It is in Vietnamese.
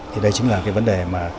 thì đây chính là cái vấn đề mà